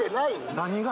何が？